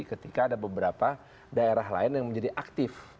ketika ada beberapa daerah lain yang menjadi aktif